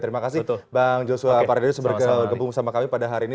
terima kasih bang joshua fardadius berkebun sama kami pada hari ini